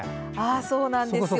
そうなんですよ。